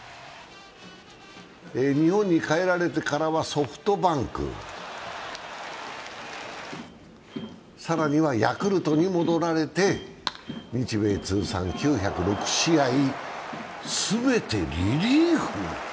日本に帰られてからはソフトバンク、更にはヤクルトに戻られて日米通算９０６試合全てリリーフ。